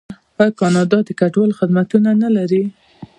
آیا کاناډا د کډوالو خدمتونه نلري؟